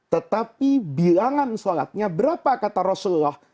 tetapi bilangan sholatnya berapa kata rasulullah